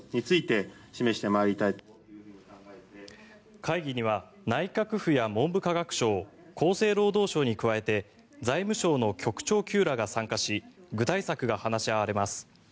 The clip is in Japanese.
会議には内閣府や文部科学省、厚生労働省に加えて財務省の局長級らが参加し具体策が話し合われます。